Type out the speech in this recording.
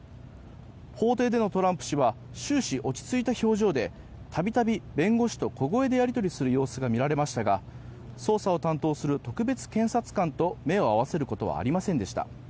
法廷でのトランプ氏は終始、落ち着いた表情で度々、弁護士と小声でやり取りする様子が見られましたが捜査を担当する特別検察官と目を合わせることはありませんでした。